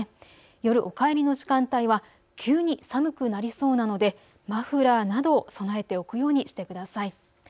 夜、お帰りの時間帯は急に寒くなりそうなのでマフラーなどを備えておくようにしてください。